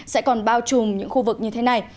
sẽ còn bao trùm những khu vực như thế này